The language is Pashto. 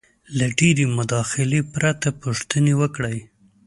-له ډېرې مداخلې پرته پوښتنې وکړئ: